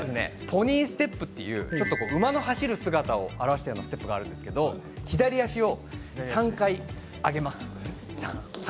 ポニーステップという馬の走る姿を表しているというものがあるんですけど左足を３回上げます。